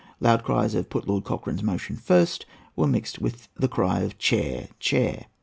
Loud cries of "Put Lord Cochrane's motion first" were mixed with the cry of "Chair, chair."